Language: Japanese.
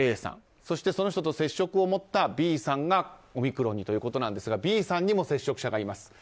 そしてその人と接触を持ったＢさんがオミクロンにということなんですがＢさんにも接触者がいます。